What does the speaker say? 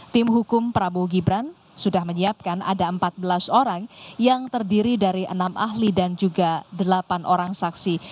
tim hukum prabowo gibran sudah menyiapkan ada empat belas orang yang terdiri dari enam ahli dan juga delapan orang saksi